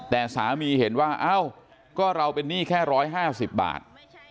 แต่สามีเห็นว่าเอ้าก็เราเป็นหนี้แค่๑๕๐บาท